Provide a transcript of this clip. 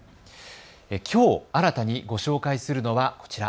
きょう新たにご紹介するのはこちら。